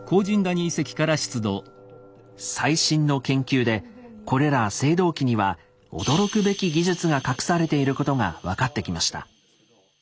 最新の研究でこれら青銅器には驚くべき技術が隠されていることが分かってきました。